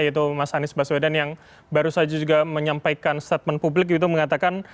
yaitu mas anies baswedan yang baru saja juga menyampaikan statement publik itu mengatakan